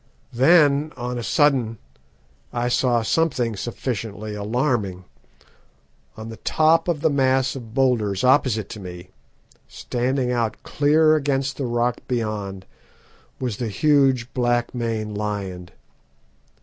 "Then, on a sudden, I saw something sufficiently alarming. On the top of the mass of boulders, opposite to me, standing out clear against the rock beyond, was the huge black maned lion.